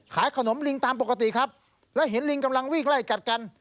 ขายขนมลิงตามปกติครับแล้วเห็นลิงกำลังวิ่งไล่กัดกัน